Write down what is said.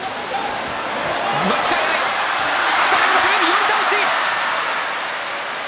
寄り倒し。